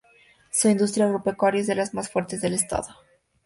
Su industria agropecuaria es de las más fuertes del estado.